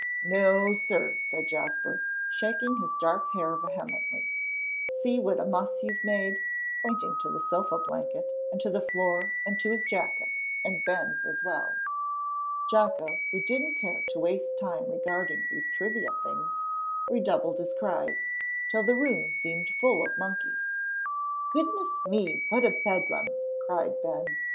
"No, sir!" said Jasper, shaking his dark hair vehemently; "see what a muss you've made," pointing to the sofa blanket and to the floor and to his jacket, and Ben's as well. Jocko, who didn't care to waste time regarding these trivial things, redoubled his cries, till the room seemed full of monkeys. "Goodness me, what a bedlam!" cried Ben.